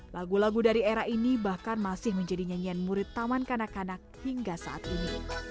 lagu lagu dari era ini bahkan masih menjadi nyanyian murid taman kanak kanak hingga saat ini